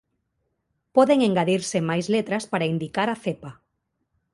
Poden engadirse máis letras para indicar a cepa.